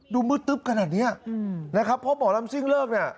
ดูมืดตึ๊บขนาดนี้นะครับเพราะหมอลำซิ่งเลิกเนี่ย